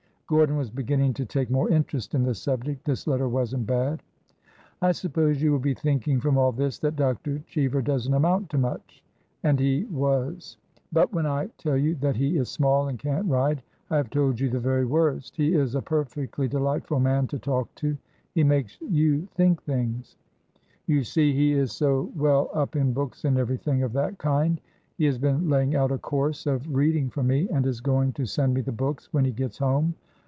[Gordon was beginning to take more interest in the subject. This letter wasn't bad.] I suppose you will be thinking from all this that Dr. Cheever does n't amount to much. [And he was.] But when I tell you that he is small and can't ride, I have told you the very worst. He is a perfectly delightful man to talk to. He makes you think things. You see, he is so 120 ORDER NO. 11 well up in books and everything of that kind. He has been laying out a course of reading for me, and is going to send me the books when he gets home.